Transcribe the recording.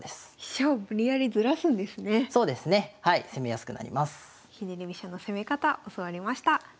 ひねり飛車の攻め方教わりました。